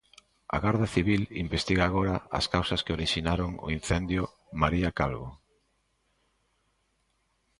A Garda Civil investiga agora as causas que orixinaron o incendio, María Calvo.